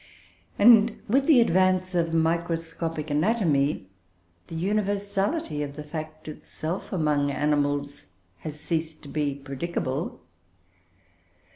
And, with the advance of microscopic anatomy, the universality of the fact itself among animals has ceased to be predicable.